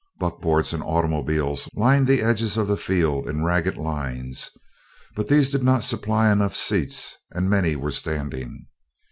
Buckboards and automobiles lined the edges of the field in ragged lines, but these did not supply enough seats and many were standing.